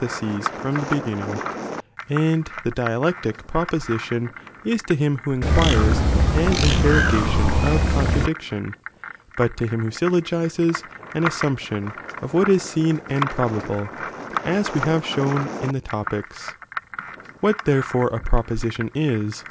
tfiewt from the beginning,' and the dialectic pro JiraJvef'™""' | poution is to him who inquires an interrogntton I of contradiction, but to bim who Bjllogizes, an assumption J of what is seen and probable, as we have shown in the Topics, What therefore a proposition ia.